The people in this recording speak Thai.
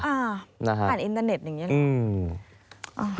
อ่ะอาร์อีนเตอร์เน็ตนึงยังไง